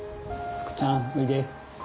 ふくちゃんおいで。